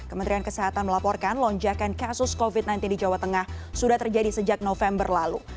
kementerian kesehatan melaporkan lonjakan kasus covid sembilan belas di jawa tengah sudah terjadi sejak november lalu